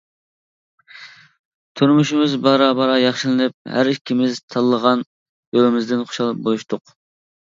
تۇرمۇشىمىز بارا-بارا ياخشىلىنىپ، ھەر ئىككىمىز تاللىغان يولىمىزدىن خۇشال بولۇشتۇق.